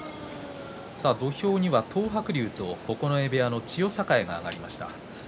土俵には東白龍と九重部屋の千代栄が上がりました。